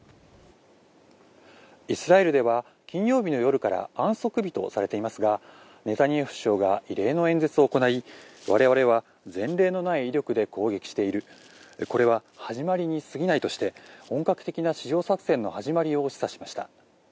イスラエルでは金曜日の夜から安息日とされていますがネタニヤフ首相が異例の演説を行い我々は前例のない威力で攻撃しているこれは始まりに過ぎないとして本格的な地上作戦の始まりを示唆しました。